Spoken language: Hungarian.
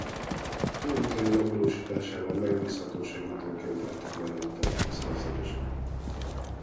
Feladatai megvalósításában megbízható segítőként álltak mellette a szerzetesek.